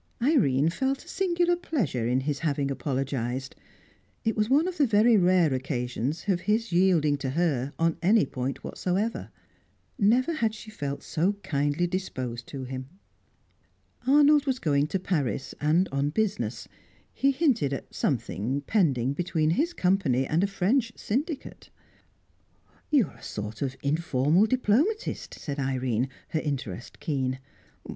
Irene felt a singular pleasure in his having apologised; it was one of the very rare occasions of his yielding to her on any point whatever. Never had she felt so kindly disposed to him. Arnold was going to Paris, and on business; he hinted at something pending between his Company and a French Syndicate. "You are a sort of informal diplomatist," said Irene, her interest keen.